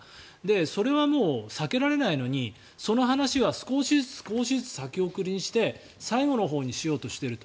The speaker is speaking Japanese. それはもう、避けられないのにその話は少しずつ少しずつ先送りにして最後のほうにしようとしていると。